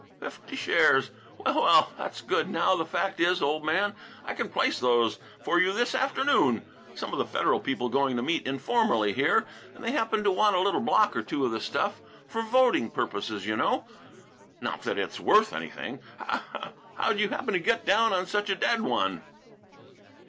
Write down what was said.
"Fifty shares! Well, well, that's good! Now the fact is, old man, I can place those for you this afternoon. Some of the Federal people going to meet informally here, and they happen to want a little block or two of the stuff, for voting purposes, you know. Not that it's worth anything. How'd you happen to get down on such a dead one?"